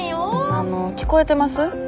あの聞こえてます？